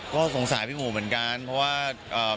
ก็สงสารพี่หมูเหมือนกันเพราะว่า